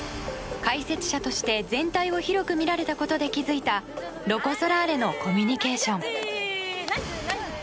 解説者として全体を広く見れたことで気づいたロコ・ソラーレのコミュニケーション。